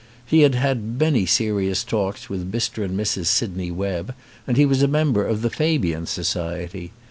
He had had many serious talks with Mr. and Mrs. Sydney Webb, and he was a member of the Fabian Society.